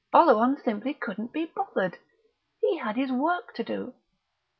Oleron simply couldn't be bothered. He had his work to do.